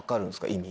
意味。